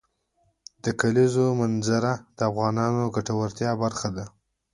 د کلیزو منظره د افغانانو د ګټورتیا برخه ده.